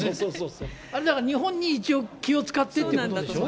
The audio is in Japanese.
あれ、だから日本に一応気を遣ってってことでしょ。